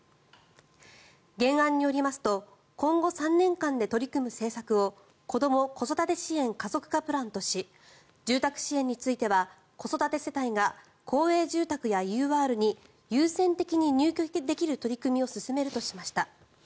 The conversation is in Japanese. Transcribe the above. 原案によりますと今後３年間で取り組む政策を子ども・子育て支援加速化プランとし住宅支援については子育て世帯が公営住宅やＵＲに優先的に入居できる取り組みを進めるとしました。